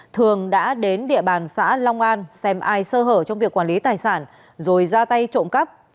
thường đã đến địa bàn xã long an xem ai sơ hở trong việc quản lý tài sản rồi ra tay trộm cắp